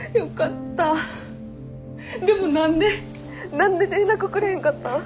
何で連絡くれへんかったん？